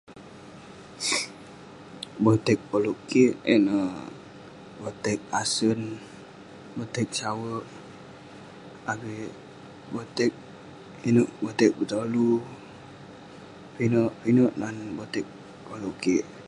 Botek koluek kik botek asen botek sawek avik botek ineuk botek betolu pinek-pinek nan botek koluek kik